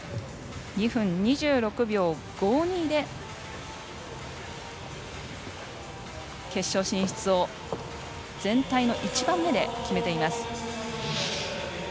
２分２６秒５２で決勝進出を全体の１番目で決めています。